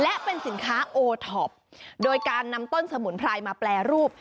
และเป็นสินค้าโอท็อปโดยการนำต้นสมุนไพรมาแปรรูป